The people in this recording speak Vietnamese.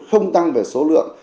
không tăng về số lượng